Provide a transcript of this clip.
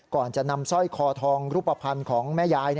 ก่อนจะนำสร้อยคอทองรูปภัณฑ์ของแม่ยาย